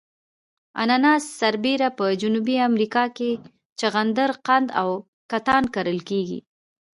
اناناس سربېره په جنوبي امریکا کې جغندر قند او کتان کرل کیږي.